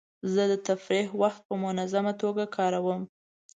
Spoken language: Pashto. زه د تفریح وخت په منظمه توګه کاروم.